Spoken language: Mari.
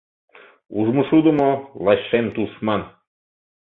Ужмышудымо — лач шем тушман.